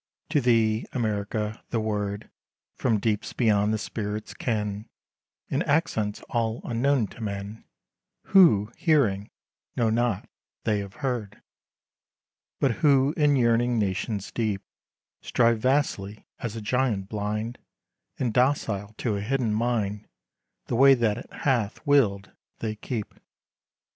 To thee, America, the word From deeps beyond the spirit's ken, In accents all unknown to men, Who, hearing, know not they have heard; But who, in yearnings nation deep, Strive vastly, as a giant blind ; And docile to a hidden Mind, The ways that it hath willed, they keep.